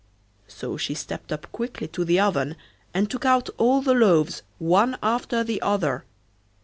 So she stepped up quickly to the oven and took out all the loaves one after the other.